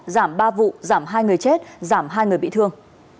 giảm ba vụ giảm hai người chết giảm hai người bị thương